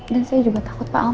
dan saya juga takut pak al